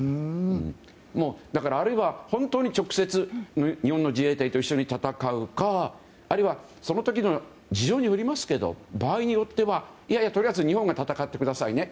だから、本当に直接日本の自衛隊と一緒に戦うかあるいはその時の事情によりますけど場合によってはいやいやとりあえず日本が戦ってくださいね。